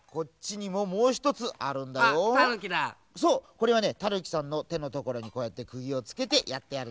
これはねたぬきさんのてのところにこうやってくぎをつけてやってあるんだ。